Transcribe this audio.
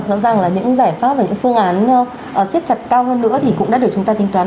rõ ràng là những giải pháp và những phương án xếp chặt cao hơn nữa thì cũng đã được chúng ta tính toán